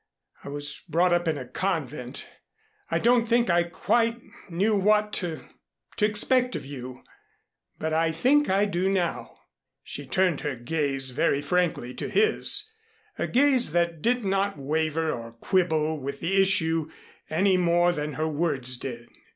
I was brought up in a convent. I don't think I quite knew what to to expect of you. But I think I do now." She turned her gaze very frankly to his, a gaze that did not waver or quibble with the issue any more than her words did.